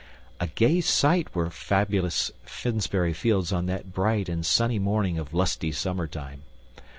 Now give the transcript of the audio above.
A gay sight were famous Finsbury Fields on that bright and sunny morning of lusty summertime.